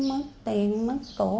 rồi mới đốt bà